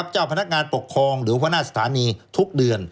เจ้าพนักงานปกครองหรือหัวหน้าสถานีทุกเดือน